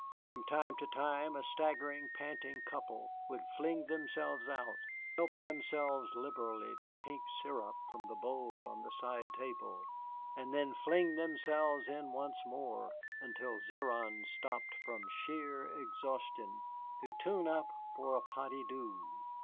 From time to time a staggering, panting couple would fling themselves out, help themselves liberally to pink sirop from the bowl on the side table, and then fling themselves in once more, until Zéron stopped from sheer exhaustion, to tune up for a pas de deux.